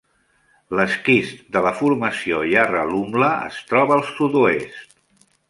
L'esquist de la Formació Yarralumla es troba al sud-oest.